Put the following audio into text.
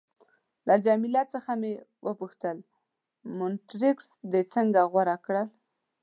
له جميله څخه مې وپوښتل: مونټریکس دې څنګه غوره کړ؟